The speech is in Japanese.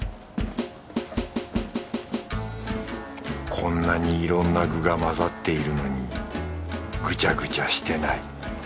こんなにいろんな具が混ざっているのにグチャグチャしてない。